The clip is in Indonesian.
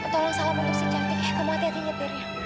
tolong salam untuk si cantik eh kamu hati hati nyetirnya